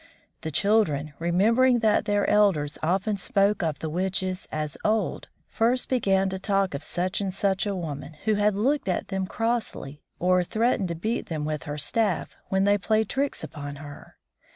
The children, remembering that their elders often spoke of the witches as old, first began to talk of such and such a woman who had looked at them crossly or threatened to beat them with her staff when they played tricks upon her.